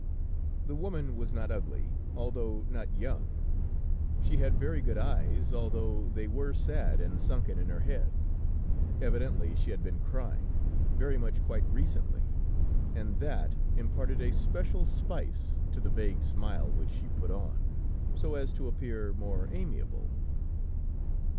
The woman was not ugly, although not young; she had very good eyes, although they were sad and sunken in her head; evidently she had been crying, very much quite recently, and that imparted a special spice to the vague smile which she put on, so as to appear more amiable.